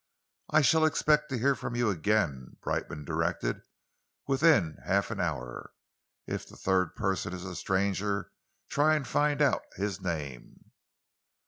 "I shall expect to hear from you again," Brightman directed, "within half an hour. If the third person is a stranger, try and find out his name."